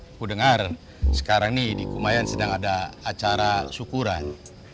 aku dengar sekarang nih di kumayan sedang ada acara syukuran